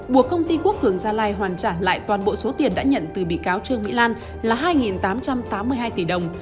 buộc công ty quốc cường gia lai hoàn trả lại toàn bộ số tiền đã nhận từ bị cáo trương mỹ lan là hai tám trăm tám mươi hai tỷ đồng